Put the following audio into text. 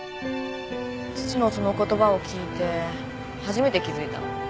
父のその言葉を聞いて初めて気付いたの。